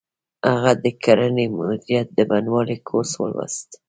هغه د کرنې مدیریت د بڼوالۍ کورس ولوست